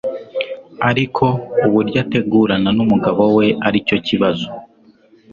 ariko uburyo ategurana n'umugabo we aricyo kibazo